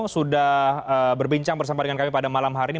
sudah berbincang bersama dengan kami pada malam hari ini